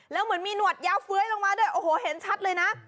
และเหมือนมีหนวดยาเฟ้ยลงมาจนเห็นชัดเลยนะ